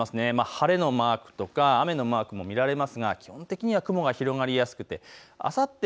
晴れのマークとか雨のマークも見られますが比較的雲が広がりやすくあさって